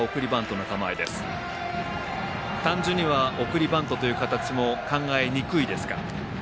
単純には送りバントという形も考えにくいですか。